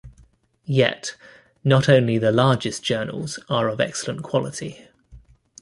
Yet, not only the largest journals are of excellent quality.